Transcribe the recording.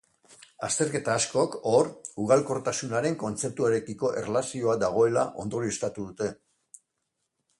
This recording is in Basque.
Azterketa askok, hor, ugalkortasunaren kontzeptuarekiko erlazioa dagoela ondorioztatu dute.